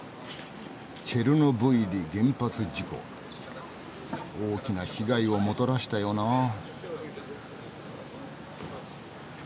チェルノブイリ原発事故大きな被害をもたらしたよなあ。